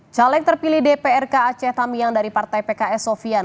caleg terpilih dpr ke aceh tamiang dari partai pks sofian